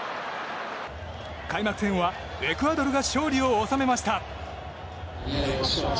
開幕戦はエクアドルが勝利を収めました。